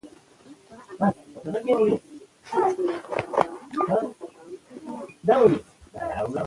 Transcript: دا د دوی بنسټیز حق دی.